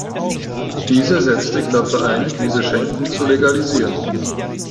Diese setzt sich dafür ein, diese Schenken zu legalisieren.